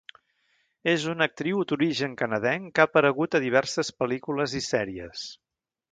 És una actriu d'origen canadenc que ha aparegut a diverses pel·lícules i sèries.